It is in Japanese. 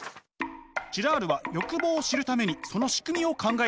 ジラールは欲望を知るためにその仕組みを考えました。